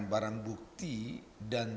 barang bukti dan